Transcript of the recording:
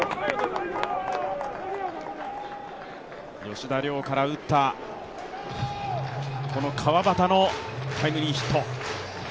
吉田凌から打ったこの川端のタイムリーヒット。